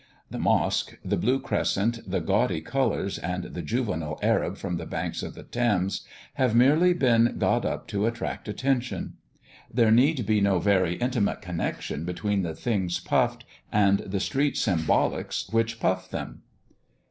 The mosque, the blue crescent, the gaudy colours, and the juvenile Arab from the banks of the Thames, have merely been got up to attract attention. There need be no very intimate connexion between the things puffed and the street symbolics which puff them.